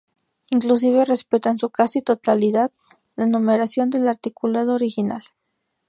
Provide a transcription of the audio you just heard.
Inclusive, respeta en su casi totalidad la numeración del articulado original.